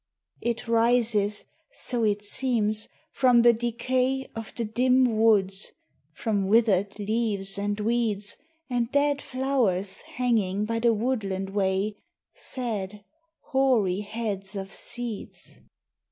It rises, so it seems, from the decay Of the dim woods; from withered leaves and weeds, And dead flowers hanging by the woodland way Sad, hoary heads of seeds.